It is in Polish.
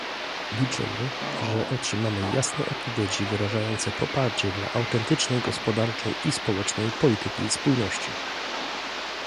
Liczymy, że otrzymamy jasne odpowiedzi wyrażające poparcie dla autentycznej gospodarczej i społecznej polityki spójności